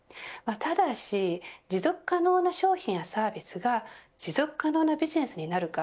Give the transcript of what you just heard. ただし持続可能な商品やサービスが持続可能なビジネスになるか。